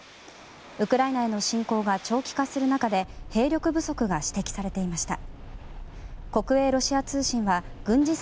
ウクライナへの侵攻が長期化する中で兵力不足が指摘されていました。